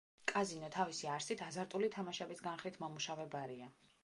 კაზინო, თავისი არსით, აზარტული თამაშების განხრით მომუშავე ბარია.